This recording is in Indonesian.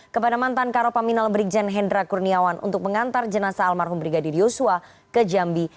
kepada mantan karopaminal brigjen hendra kurniawan untuk mengantar jenasa almarhum brigadir yosua ke jambi